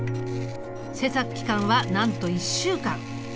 制作期間はなんと１週間。